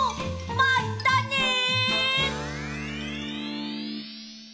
まったね！